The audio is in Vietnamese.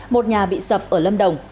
một nhà bị sập ở lâm đồng